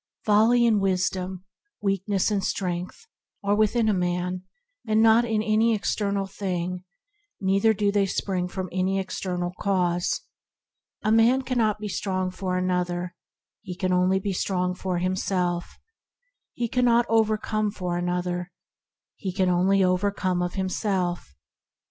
Folly and wisdom, weakness and strength are within a man and not in any external thing, neither do they spring from any external cause. A man cannot be strong for another, he can only be strong for him self; he cannot overcome for another, he can only overcome of himself.